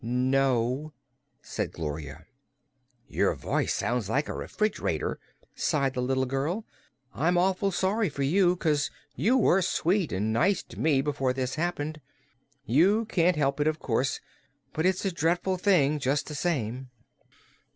"No," said Gloria. "Your voice sounds like a refrig'rator," sighed the little girl. "I'm awful sorry for you, 'cause you were sweet an' nice to me before this happened. You can't help it, of course; but it's a dreadful thing, jus' the same."